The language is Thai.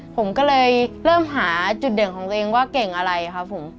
ผมก็เลยเริ่มหาจุดเด่นของตัวเองว่าเก่งอะไรครับผม